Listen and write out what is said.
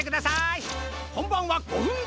ほんばんは５ふんごです。